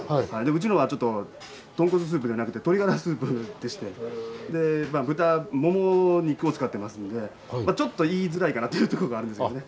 うちのはちょっと豚骨スープじゃなくて鶏ガラスープでして豚モモ肉を使ってますんでちょっと言いづらいかなというとこがあるんですよね。